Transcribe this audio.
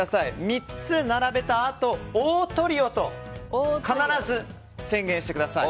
３つ並べたあと、オートリオと必ず宣言してください。